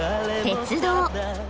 鉄道。